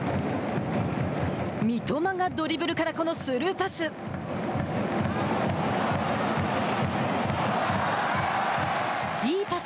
三笘がドリブルからこのスルーパス。